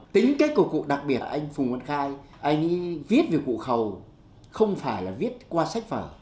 tính cách của cụ đặc biệt anh phùng văn khai anh viết về cụ khầu không phải là viết qua sách phở